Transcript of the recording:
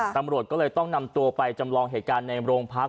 ตำรวจก็เลยต้องนำตัวไปจำลองเหตุการณ์ในโรงพัก